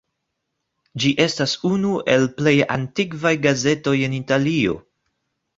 Ĝi estas unu el plej antikvaj gazetoj en Italio.